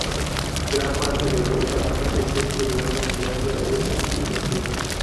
Gran parte de Europa, excepto Irlanda, Islandia, Grecia y Turquía.